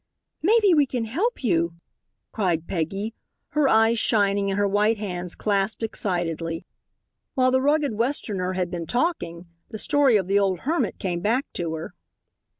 "Maybe we can help you," cried Peggy, her eyes shining and her white hands clasped excitedly. While the rugged Westerner had been talking the story of the old hermit came back to her.